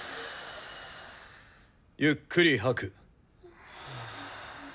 ゆっくり吐く。